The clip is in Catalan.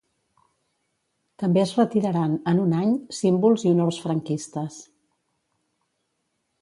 També es retiraran, en un any, símbols i honors franquistes.